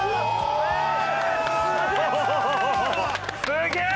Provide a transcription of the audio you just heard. すげえ！